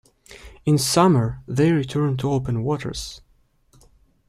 In summer, they return to open waters.